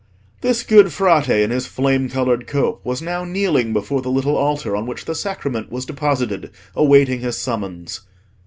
This good Frate in his flame coloured cope was now kneeling before the little altar on which the Sacrament was deposited, awaiting his summons.